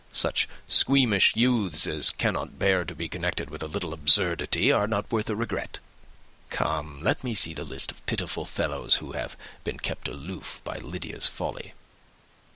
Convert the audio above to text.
Such squeamish youths as cannot bear to be connected with a little absurdity are not worth a regret. Come, let me see the list of the pitiful fellows who have been kept aloof by Lydia's folly."